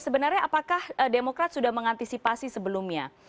sebenarnya apakah demokrat sudah mengantisipasi sebelumnya